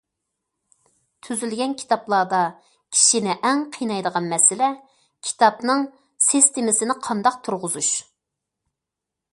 تۈزۈلگەن كىتابلاردا كىشىنى ئەڭ قىينايدىغان مەسىلە- كىتابنىڭ سىستېمىسىنى قانداق تۇرغۇزۇش.